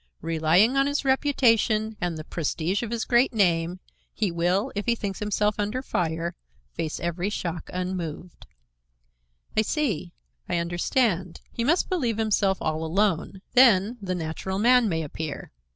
Relying on his reputation and the prestige of his great name, he will, if he thinks himself under fire, face every shock unmoved." "I see; I understand. He must believe himself all alone; then, the natural man may appear.